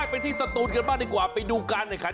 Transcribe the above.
ไปที่สตูนกันบ้างดีกว่าไปดูกันหน่อยค่ะ